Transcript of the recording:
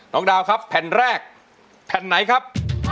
ดาวครับแผ่นแรกแผ่นไหนครับ